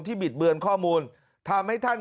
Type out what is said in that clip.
บิดเบือนข้อมูลทำให้ท่าน